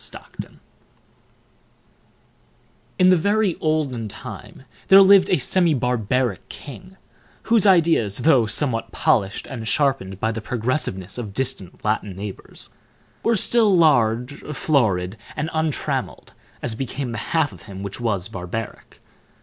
Stockton In the very olden time there lived a semi barbaric king, whose ideas, though somewhat polished and sharpened by the progressiveness of distant Latin neighbors, were still large, florid, and untrammeled, as became the half of him which was barbaric.